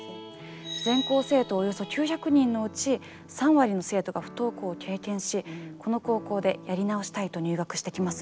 全校生徒およそ９００人のうち３割の生徒が不登校を経験しこの高校でやり直したいと入学してきます。